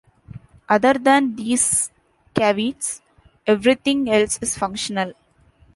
Other than these caveats, everything else is functional.